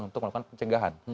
atau melakukan pencegahan